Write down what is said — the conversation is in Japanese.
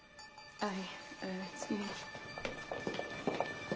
はい。